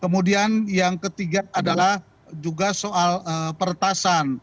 kemudian yang ketiga adalah juga soal peretasan